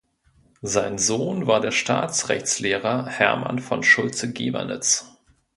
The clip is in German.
Sein Sohn war der Staatsrechtslehrer Hermann von Schulze-Gävernitz.